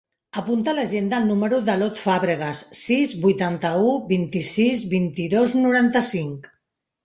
Apunta a l'agenda el número de l'Ot Fabregas: sis, vuitanta-u, vint-i-sis, vint-i-dos, noranta-cinc.